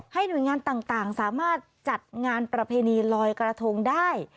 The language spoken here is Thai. หน่วยงานต่างสามารถจัดงานประเพณีลอยกระทงได้